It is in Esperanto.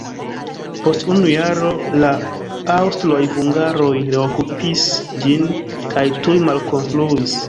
Post unu jaro la aŭstroj-hungaroj reokupis ĝin kaj tuj malkonstruis.